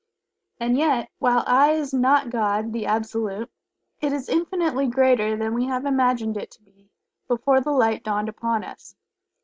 And yet, while the "I" is not God, the Absolute, it is infinitely greater than we have imagined it to be before the light dawned upon us.